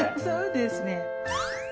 そうですね。